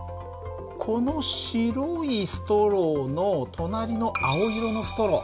この白いストローの隣の青色のストロー。